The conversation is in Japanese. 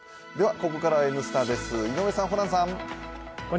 ここからは「Ｎスタ」です、井上さん、ホランさん。